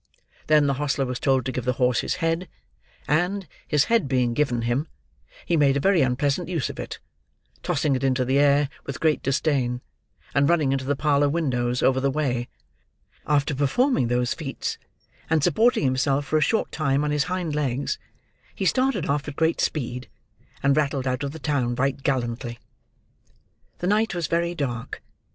Then, the hostler was told to give the horse his head; and, his head being given him, he made a very unpleasant use of it: tossing it into the air with great disdain, and running into the parlour windows over the way; after performing those feats, and supporting himself for a short time on his hind legs, he started off at great speed, and rattled out of the town right gallantly. The night was very dark.